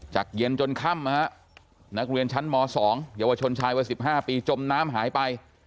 เย็นจนค่ำนักเรียนชั้นม๒เยาวชนชายวัย๑๕ปีจมน้ำหายไป